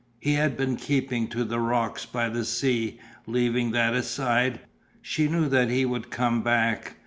He had been keeping to the rocks by the sea, leaving that aside; she knew that he would come back.